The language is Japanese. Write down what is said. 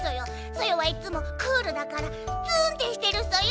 ソヨはいつもクールだからツーンってしてるソヨ！